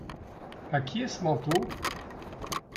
A qui est ce manteau ?